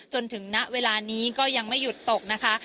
จนถึงณเวลานี้ก็ยังไม่หยุดตกนะคะ